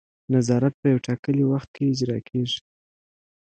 نظارت په یو ټاکلي وخت کې اجرا کیږي.